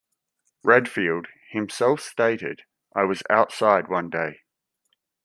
Redfield, himself stated, I was outside one day.